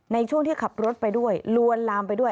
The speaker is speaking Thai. ในช่วงที่ขับรถไปด้วยลวนลามไปด้วย